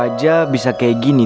aja bisa kayak gini